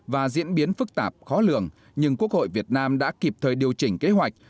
và diễn biến phức tạp khó lường nhưng quốc hội việt nam đã kịp thời điều chỉnh kế hoạch